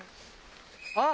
あっ！